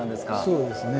そうですね。